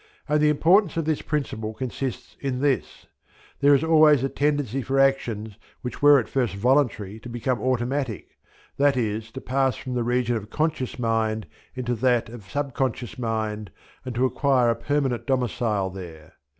And the importance of this principle consists in this. There is always a tendency for actions which were at first voluntary to become automatic, that is, to pass from the region of conscious mind into that of subconscious mind, and to acquire a permanent domicile there.